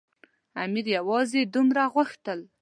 امیر یوازې دومره غوښتل.